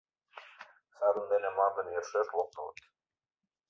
Садын дене мландым йӧршеш локтылыт.